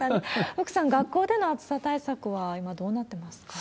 福さん、学校での暑さ対策は今、どうなってますか？